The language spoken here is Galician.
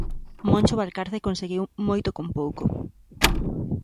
Moncho Valcarce conseguiu moito con pouco.